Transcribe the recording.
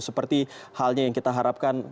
seperti halnya yang kita harapkan